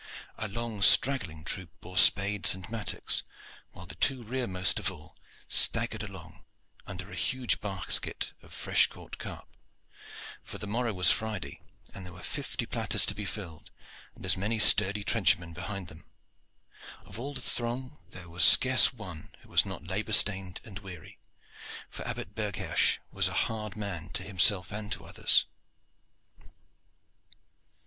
A long, straggling troop bore spades and mattocks while the two rearmost of all staggered along under a huge basket o' fresh caught carp, for the morrow was Friday, and there were fifty platters to be filled and as many sturdy trenchermen behind them. Of all the throng there was scarce one who was not labor stained and weary, for Abbot Berghersh was a hard man to himself and to others.